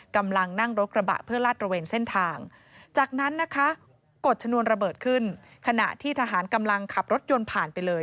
กำลังนั่งรถกระบะเพื่อลาดตระเวนเส้นทางจากนั้นนะคะกดชนวนระเบิดขึ้นขณะที่ทหารกำลังขับรถยนต์ผ่านไปเลย